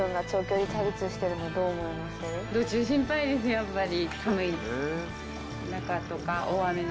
やっぱり。